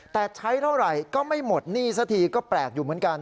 แต่ใช้เท่าไหร่ก็ไม่หมดหนี้สักทีก็แปลกอยู่เหมือนกัน